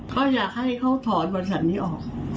ก็อยากให้เขาถอนบริษัทนี้ออก